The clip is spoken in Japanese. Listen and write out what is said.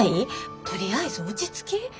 とりあえず落ち着き。